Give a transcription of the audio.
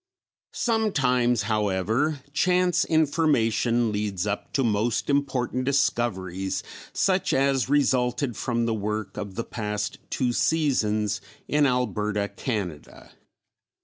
Sometimes however, chance information leads up to most important discoveries, such as resulted from the work of the past two seasons in Alberta, Canada.